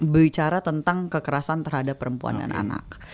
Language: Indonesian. bicara tentang kekerasan terhadap perempuan dan anak